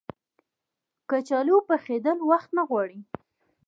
کچالو پخېدل وخت نه غواړي